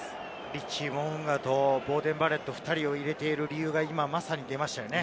リッチー・モウンガと、ボーデン・バレット、２人を入れている理由が、今まさに出ましたね。